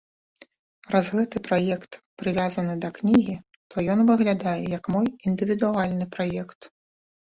Раз гэты праект прывязаны да кнігі, тог ён выглядае як мой індывідуальны праект.